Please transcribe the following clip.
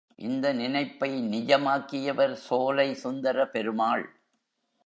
இந்த நினைப்பை நிஜமாக்கியவர் சோலை சுந்தரபெருமாள்.